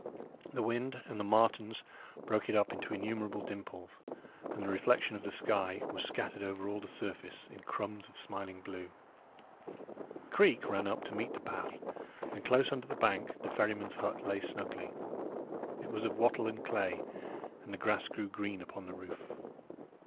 The wind and the martens broke it up into innumerable dimples; and the reflection of the sky was scattered over all the surface in crumbs of smiling blue. A creek ran up to meet the path, and close under the bank the ferryman's hut lay snugly. It was of wattle and clay, and the grass grew green upon the roof.